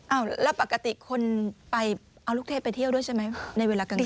เอาแล้วปกติคนไปเอาลูกเทพไปเที่ยวด้วยใช่ไหมในเวลากลางคืน